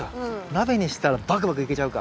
鍋にしたらバクバクいけちゃうか。